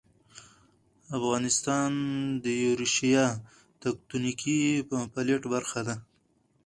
افغانستان د یوریشیا تکتونیک پلیټ برخه ده